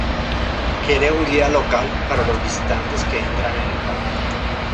Se requiere un guía local para los visitantes que entran en el parque.